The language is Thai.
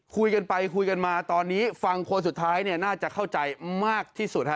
คุยกันไปคุยกันมาตอนนี้ฟังคนสุดท้ายเนี่ยน่าจะเข้าใจมากที่สุดฮะ